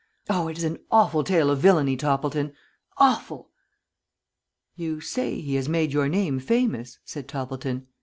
Oh, it is an awful tale of villainy, Toppleton! Awful!" "You say he has made your name famous," said Toppleton.